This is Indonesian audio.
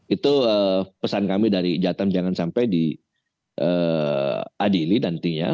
itu pesan kami dari jateng jangan sampai diadili nantinya